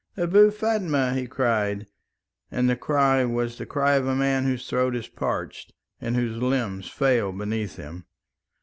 "Abou Fatma!" he cried, and the cry was the cry of a man whose throat is parched, and whose limbs fail beneath him.